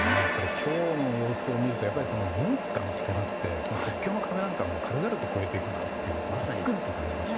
今日の様子を見ると文化の力って国境の壁なんか軽々と越えていくなとつくづく感じました。